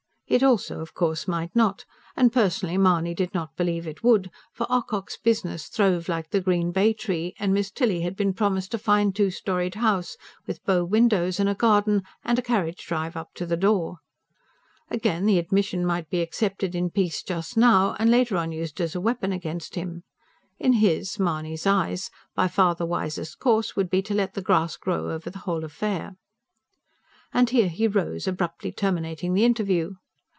It also, of course, might not and personally Mahony did not believe it would; for Ocock's buisness throve like the green bay tree, and Miss Tilly had been promised a fine two storeyed house, with bow windows and a garden, and a carriage drive up to the door. Again, the admission might be accepted in peace just now, and later on used as a weapon against him. In his, Mahony's, eyes, by far the wisest course would be, to let the grass grow over the whole affair. And here he rose, abruptly terminating the interview.